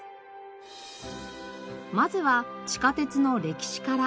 まずは地下鉄の歴史から。